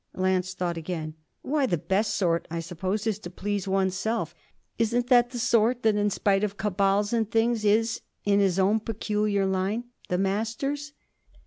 Lance thought again. 'Why the best sort, I suppose, is to please one's self. Isn't that the sort that, in spite of cabals and things, is in his own peculiar line the Master's?'